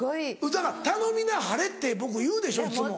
だから「頼みなはれ」って僕言うでしょいつも。